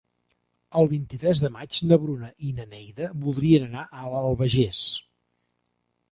El vint-i-tres de maig na Bruna i na Neida voldrien anar a l'Albagés.